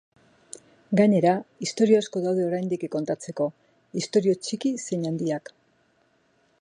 Gainera, istorio asko daude oraindik kontatzeko, istorio txiki zein handiak.